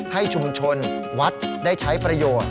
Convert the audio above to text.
ให้ชุมชนวัดได้ใช้ประโยชน์